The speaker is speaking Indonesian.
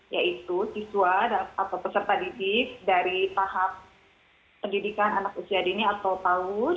yaitu siswa atau peserta didik dari tahap pendidikan anak usia dini atau tahun